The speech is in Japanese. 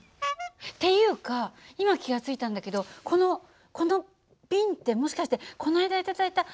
っていうか今気が付いたんだけどこのこの瓶ってもしかしてこの間頂いたワインの瓶なんじゃないの？